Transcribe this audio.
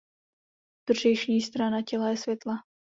Břišní strana těla je světlá.